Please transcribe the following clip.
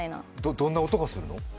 どんな音がするの？